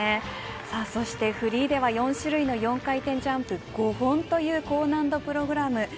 そしてフリーでは４種類の４回転ジャンプ５本という高難度プログラム